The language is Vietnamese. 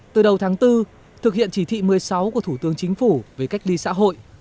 từ đầu tháng bốn thực hiện chỉ thị một mươi sáu của thủ tướng chính phủ về cách ly xã hội